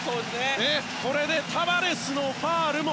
これでタバレスのファウルも